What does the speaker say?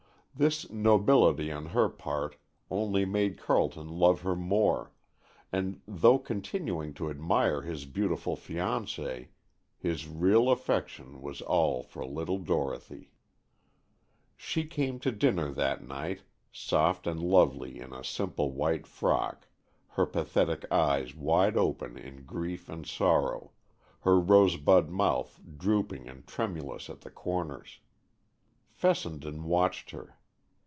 This nobility on her part only made Carleton love her more, and though continuing to admire his beautiful fiancée, his real affection was all for little Dorothy. She came to dinner that night, soft and lovely in a simple white frock, her pathetic eyes wide open in grief and sorrow, her rosebud mouth drooping and tremulous at the corners. Fessenden watched her.